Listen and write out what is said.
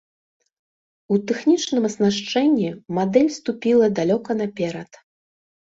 У тэхнічным аснашчэнні мадэль ступіла далёка наперад.